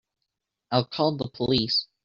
I'll call the police.